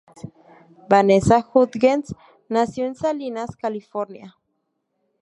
Vanessa Hudgens nació en Salinas, California.